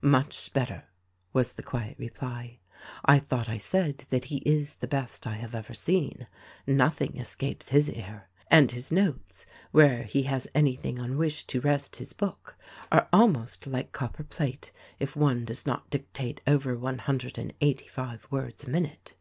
"Much better," was the quiet reply. "I thought I said that he is the best I have ever seen. Nothing escapes his ear, and his notes — where he has anything on which to rest his book — are almost like copper plate if one does not dictate over one hundred and eighty five words a minute.